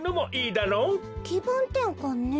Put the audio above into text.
きぶんてんかんね。